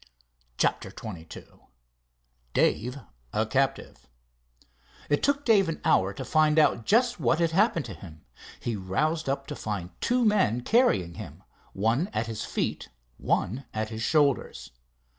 CHAPTER XXII DAVE A CAPTIVE It took Dave an hour to find out just what had happened to him. He roused up to find two men carrying him, one at his feet, one at his shoulders.